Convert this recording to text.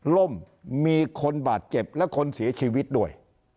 ล่มมีคนบาดเจ็บและคนเสียชีวิตด้วย